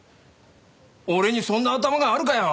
俺にそんな頭があるかよ。